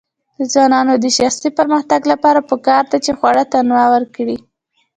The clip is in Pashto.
د ځوانانو د شخصي پرمختګ لپاره پکار ده چې خواړه تنوع ورکړي.